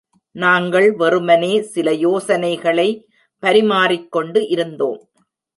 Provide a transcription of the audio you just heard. நாங்கள் வெறுமனே சில யோசனைகளை பரிமாறிக்கொண்டு இருந்தோம்.